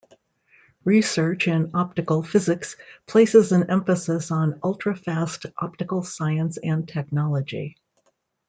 Research in optical physics places an emphasis on ultrafast optical science and technology.